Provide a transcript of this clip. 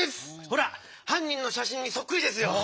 ほらはんにんのしゃしんにソックリですよ。